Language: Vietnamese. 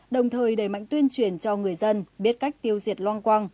đồng thời đẩy mạnh tuyên truyền cho người dân biết cách tiêu diệt loang quang